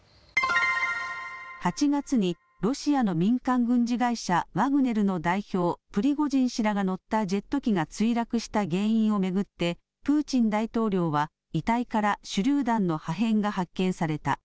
８月にロシアの民間軍事会社ワグネルの代表、プリゴジン氏らが乗ったジェット機が墜落した原因を巡ってプーチン大統領は遺体から手りゅう弾の破片が発見された。